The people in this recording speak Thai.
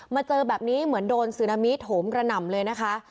เจอแบบนี้เหมือนโดนซึนามิโถมกระหน่ำเลยนะคะ